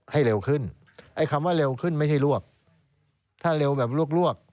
ให้เร็วขึ้นไอ้คำว่าเร็วขึ้นไม่ใช่ลวกถ้าเร็วแบบลวกลวก